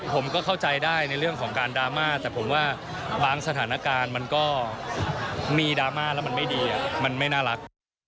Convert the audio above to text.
ผมก็เข้าใจได้ในเรื่องของการดราม่าแต่ผมว่าบางสถานการณ์มันก็มีดราม่าแล้วมันไม่ดีมันไม่น่ารัก